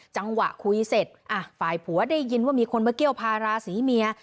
จังหวะคุยเสร็จฝ่ายผัวได้ยินว่ามีคนมาเกี้ยวพาราศีเมีย